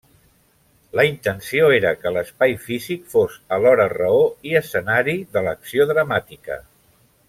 La intenció era que l'espai físic fos alhora raó i escenari de l'acció dramàtica.